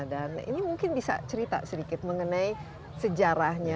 dan ini mungkin bisa cerita sedikit mengenai sejarahnya